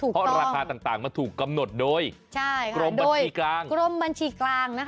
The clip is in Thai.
เพราะราคาต่างถูกกำหนดโดยกรมบัญชีกลาง